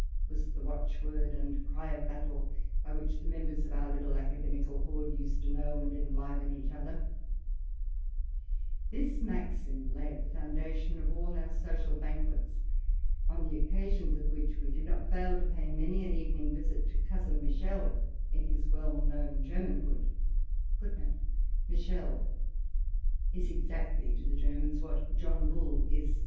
was the watchword and cry of battle, by which the members of our little academical horde used to know and enliven each other. This maxim lay at the foundation of all our social banquets, on the occasions of which we did not fail to pay many an evening visit to Cousin Michel,' in his well known '¢ Germanhood.